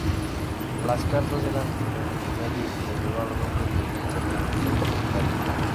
Las cartas eran el medio que ayudó a los hombres de ciencia permanecer conectados.